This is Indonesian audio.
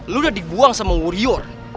lo udah diguang sama warrior